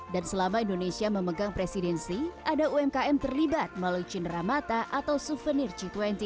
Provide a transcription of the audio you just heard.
dan selama indonesia memegang presidensi ada umkm terlibat melalui cinderamata atau suvenir g dua puluh